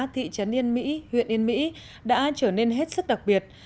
thị trấn yên mỹ huyện yên mỹ đã trở nên hết sức đặc biệt